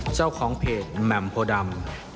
เจ้าของเพจแหม่มโพดำ